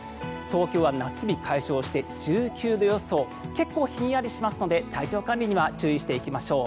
東京は夏日解消して１９度予想結構ひんやりしますので体調管理には注意していきましょう。